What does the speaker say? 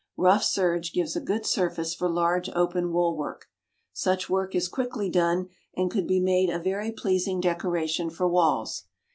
Rough serge gives a good surface for large open wool work. Such work is quickly done, and could be made a very pleasing decoration for walls.